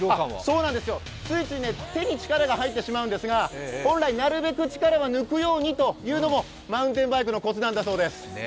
そうなんですよ、ついつい手に力が入ってしまうんですが本来なるべく力は抜くようにというのもマウンテンバイクのこつなんだそうです。